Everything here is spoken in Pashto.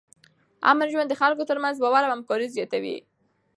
امن ژوند د خلکو ترمنځ باور او همکاري زیاتوي.